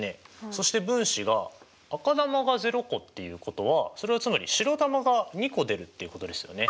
そして分子が赤球が０個っていうことはそれはつまり白球が２個出るっていうことですよね？